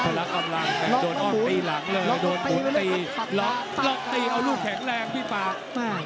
ละกำลังแต่โดนอ้อมตีหลังเลยโดนผลตีล็อกล็อกตีเอาลูกแข็งแรงพี่ปาก